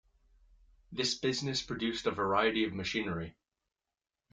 This business produced a variety of machinery.